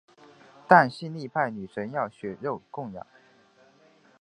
但性力派女神要血肉供养。